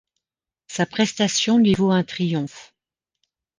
Sa prestation lui vaut un triomphe.